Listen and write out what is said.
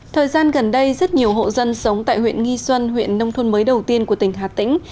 thời gian gần đây rất nhiều hộ dân sống tại huyện nghi xuân huyện nông thôn mới đầu tiên của tỉnh hà tĩnh